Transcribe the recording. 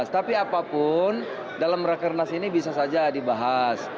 tapi apapun dalam rakernas ini bisa saja dibahas